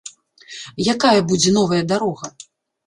Якая будзе новая дарога?